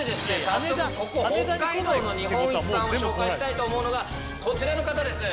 早速ここ北海道の日本一さんを紹介したいと思うのがこちらの方です！